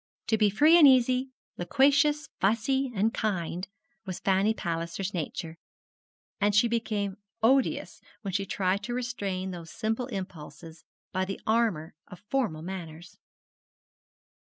To be free and easy, loquacious, fussy, and kind was Fanny Palliser's nature, and she became odious when she tried to restrain those simple impulses by the armour of formal manners.